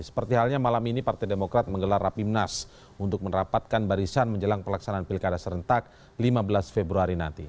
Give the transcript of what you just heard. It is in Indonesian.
seperti halnya malam ini partai demokrat menggelar rapimnas untuk merapatkan barisan menjelang pelaksanaan pilkada serentak lima belas februari nanti